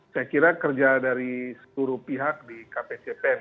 saya kira kerja dari seluruh pihak di kpcp